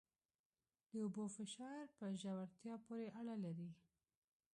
د اوبو فشار په ژورتیا پورې اړه لري.